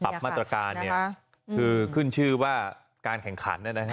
มาตรการเนี่ยคือขึ้นชื่อว่าการแข่งขันนะฮะ